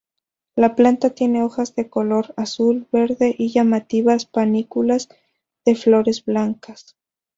La planta tiene hojas de color azul-verde y llamativas panículas de flores blancas.